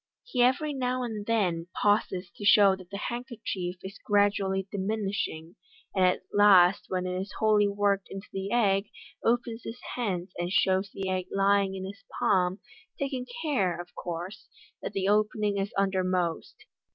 He every now and t win pauses to show that the handkerchief is gradually diminishing, an 1 at last when it is wholly worked into the egqj, opens his hands, and shows the egg lying in his palm, taking care, of course, that the opening is undermost.